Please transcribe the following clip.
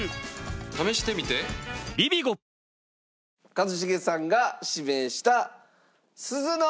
一茂さんが指名した鈴乃○